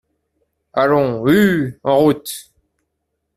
Allons, hue !… en route !